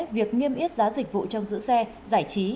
việc niêm yết giá dịch vụ trong giữ xe giải trí